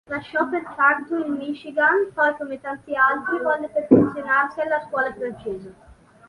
Lasciò pertanto il Michigan, poi, come tanti altri, volle perfezionarsi alla scuola francese.